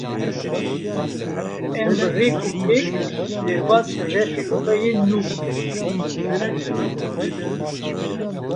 Em bi rêk û pêk derbasî refên xwe yên nû bûn.